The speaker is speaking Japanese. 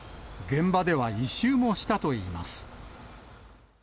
現場では、異臭もしたといいます。